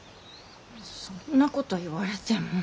そんなこと言われても。